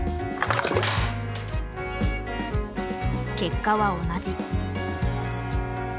結果は同じ。